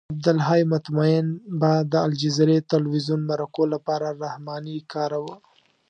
عبدالحی مطمئن به د الجزیرې تلویزیون مرکو لپاره رحماني کاراوه.